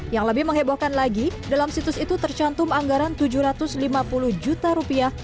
yang lebih menghebohkan lagi dalam situs itu tercantum anggaran tujuh ratus lima puluh juta rupiah